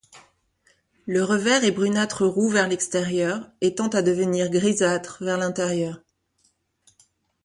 Le revers est brunâtre roux vers l'extérieur et tend à devenir grisâtre vers l'intérieur.